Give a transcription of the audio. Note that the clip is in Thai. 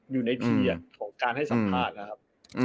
อยู่ในทีของการให้สัมภาษณ์นะครับ